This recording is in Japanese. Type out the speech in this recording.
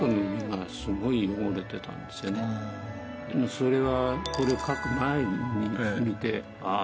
それはこれを書く前にニュースを見てああ